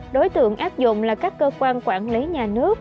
đối tượng áp dụng là các cơ quan quản lý nhà nước